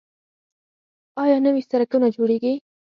آیا نوي سرکونه جوړیږي؟